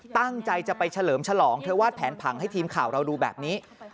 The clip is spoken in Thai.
ตั้งใจจะไปเฉลิมฉลองเธอวาดแผนผังให้ทีมข่าวเราดูแบบนี้